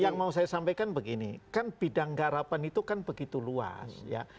yang mau saya sampaikan begini kan bidang garapan itu kan begitu luas ya